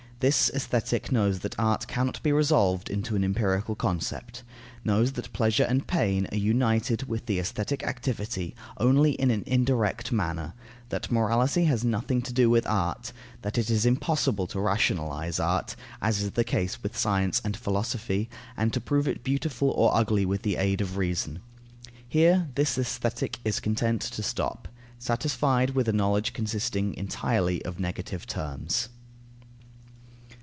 This Aesthetic knows that art cannot be resolved into an empirical concept; knows that pleasure and pain are united with the aesthetic activity only in an indirect manner; that morality has nothing to do with art; that it is impossible to rationalize art, as is the case with science and philosophy, and to prove it beautiful or ugly with the aid of reason. Here this Aesthetic is content to stop, satisfied with a knowledge consisting entirely of negative terms.